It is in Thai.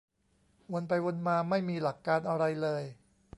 วนไปวนมา ไม่มีหลักการอะไรเลย